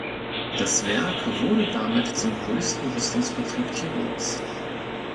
Das Werk wurde damit zum größten Rüstungsbetrieb Tirols.